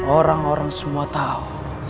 orang orang semua tahu